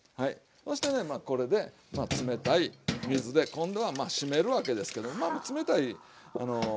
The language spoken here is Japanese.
そしてねまあこれで冷たい水で今度はまあ締めるわけですけどまあ冷たいあの。